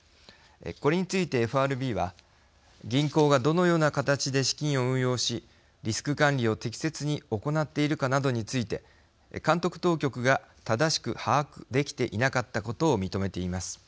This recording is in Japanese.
これについてＦＲＢは銀行がどのような形で資金を運用し、リスク管理を適切に行っているかなどについて監督当局が正しく把握できていなかったことを認めています。